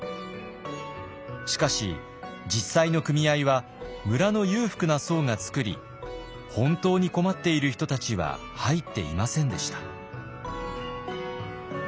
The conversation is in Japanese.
しかし実際の組合は村の裕福な層が作り本当に困っている人たちは入っていませんでした。